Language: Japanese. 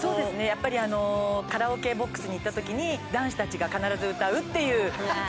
やっぱりカラオケボックスに行った時に男子たちが必ず歌うっていうそういう。